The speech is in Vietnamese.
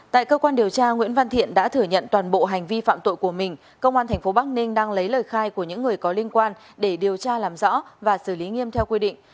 tại cơ quan điều tra nguyễn văn thiện đã thừa nhận toàn bộ hành vi phạm tội của mình công an tp bắc ninh đang lấy lời khai của những người có liên quan để điều tra làm rõ và xử lý nghiêm theo quy định